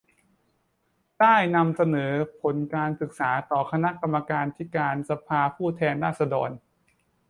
ได้นำเสนอผลการศึกษาต่อคณะกรรมาธิการกิจการสภาผู้แทนราษฎร